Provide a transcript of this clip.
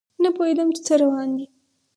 نه پوهیدم چې څه روان دي